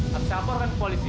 harus saya hampirkan ke polisi